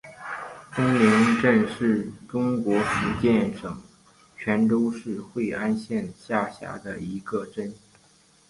东岭镇是中国福建省泉州市惠安县下辖的一个镇。